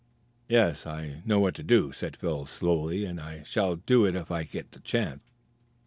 "Yes, I know what to do," said Phil slowly, "and I shall do it if I get the chance."